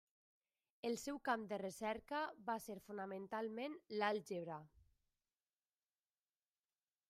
El seu camp de recerca va ser fonamentalment l'àlgebra.